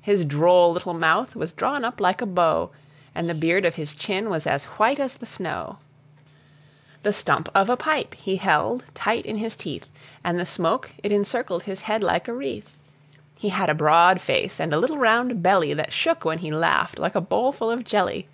His droll little mouth was drawn up like a bow, And the beard of his chin was as white as the snow; The stump of a pipe he held tight in his teeth, And the smoke it encircled his head like a wreath; He had a broad face and a little round belly, That shook when he laughed, like a bowlful of jelly.